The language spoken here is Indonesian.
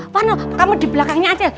warno kamu di belakangnya ajel